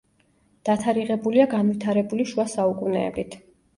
დათარიღებულია განვითარებული შუა საუკუნეებით.